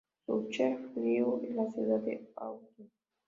Su "chef-lieu" es la ciudad de Autun.